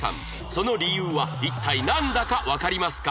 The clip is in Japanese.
その理由は一体なんだかわかりますか？